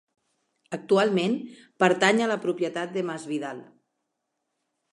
Actualment pertany a la propietat de Masvidal.